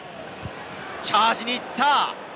チャージに行った。